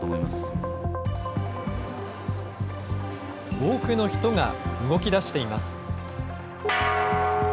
多くの人が動きだしています。